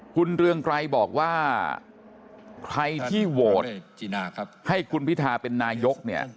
คุณเรืองไกรบอกว่าใครที่โหวตให้คุณพิทาเป็นนายกเนี่ย